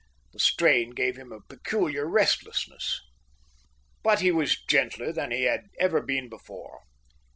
The strain gave him a peculiar restlessness. But he was gentler than he had ever been before.